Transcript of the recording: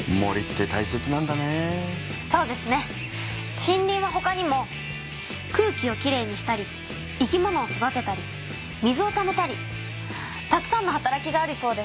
森林はほかにも空気をきれいにしたり生き物を育てたり水をためたりたくさんの働きがあるそうです。